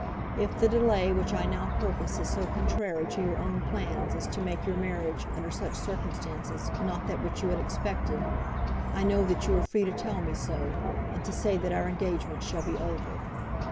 If the delay which I now purpose is so contrary to your own plans as to make your marriage, under such circumstances, not that which you had expected, I know that you are free to tell me so, and to say that our engagement shall be over.